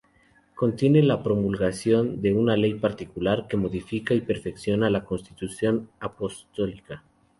Contiene la promulgación de una ley particular, que modifica y perfecciona la Constitución apostólica.